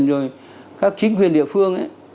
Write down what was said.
rồi các chính quyền địa phương